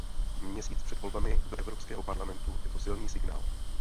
Měsíc před volbami do Evropského parlamentu je to silný signál.